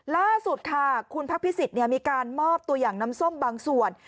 ล่าสุดค่ะคุณพักพิสิทธิ์มีการมอบตัวอย่างน้ำส้มบางส่วน